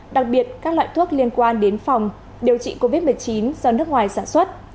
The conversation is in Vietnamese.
đặc biệt các loại thuốc liên quan đến phòng điều trị covid một mươi chín do nước ngoài sản xuất